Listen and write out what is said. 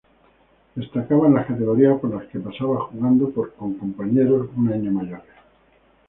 Destacaba en las categorías por las que pasaba jugando con compañeros un año mayores.